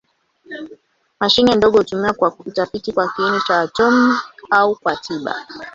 Mashine ndogo hutumiwa kwa utafiti kwa kiini cha atomi au kwa tiba.